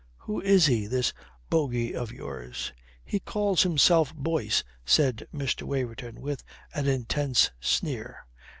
Who is he, this bogey of yours?" "He calls himself Boyce," said Mr. Waverton, with an intense sneer.